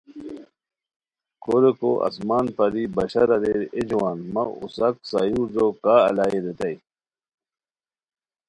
کوریکو آسمان پری بشار اریر اے جوان مہ اوساک سایورجو کا الائے؟ ریتائے